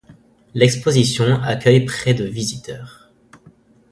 L'exposition accueille près de visiteurs.